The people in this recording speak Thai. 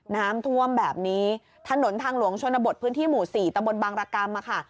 น้ำท่วมแบบนี้ถนนทางหลวงชนบทพื้นที่หมู่๔ตำบลบางรกรรมค่ะ